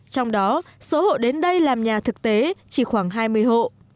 trong đó số hộ đến đây làm nhà thực tế chỉ khoảng hai mươi hộ